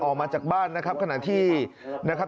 ออกมาจากบ้านนะครับขณะที่นะครับ